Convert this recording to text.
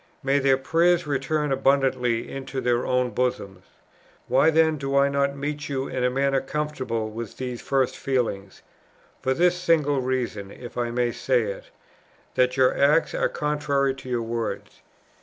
May their prayers return abundantly into their own bosoms.... Why then do I not meet you in a manner conformable with these first feelings? For this single reason, if I may say it, that your acts are contrary to your words.